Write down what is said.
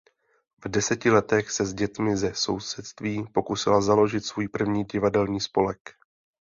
V deseti letech se s dětmi ze sousedství pokusila založit svůj první divadelní spolek.